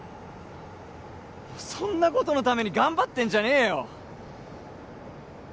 そんなことのために頑張ってんじゃねえよ